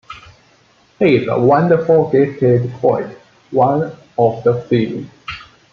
He is a wonderfully gifted poet, one of the few.